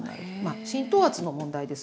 浸透圧の問題ですよね。